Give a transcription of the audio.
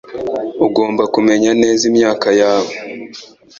Ugomba kumenya neza imyaka yawe.